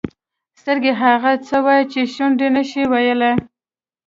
سترګې هغه څه وایي چې شونډې نه شي ویلای.